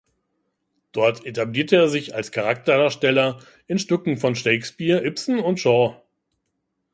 Dort etablierte er sich als Charakterdarsteller in Stücken von Shakespeare, Ibsen und Shaw.